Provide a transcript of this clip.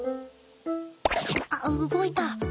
あっ動いた。